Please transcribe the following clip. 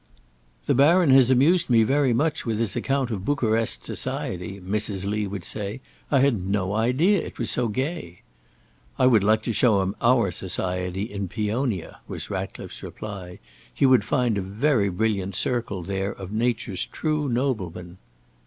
"The Baron has amused me very much with his account of Bucharest society," Mrs. Lee would say: "I had no idea it was so gay." "I would like to show him our society in Peonia," was Ratcliffe's reply; "he would find a very brilliant circle there of nature's true noblemen."